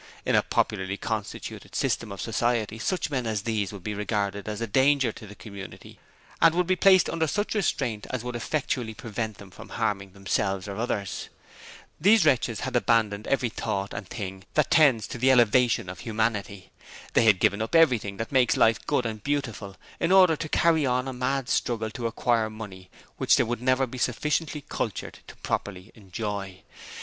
In a properly constituted system of society such men as these would be regarded as a danger to the community, and would be placed under such restraint as would effectually prevent them from harming themselves or others. These wretches had abandoned every thought and thing that tends to the elevation of humanity. They had given up everything that makes life good and beautiful, in order to carry on a mad struggle to acquire money which they would never be sufficiently cultured to properly enjoy.